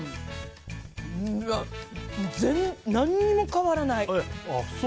何も変わらない。